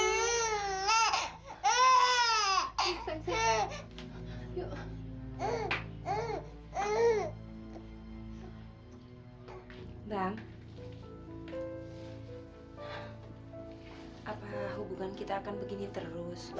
udah bon makasih mu